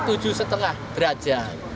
ini tujuh lima derajat